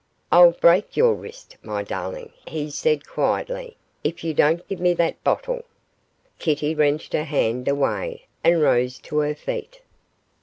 'I'll break your wrist, my darling,' he said, quietly, 'if you don't give me that bottle.' Kitty wrenched her hand away, and rose to her feet.